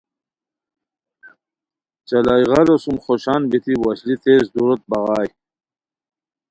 چالائےغارو سُم خوشان بیتی وشلی تیز دُوروت بغائے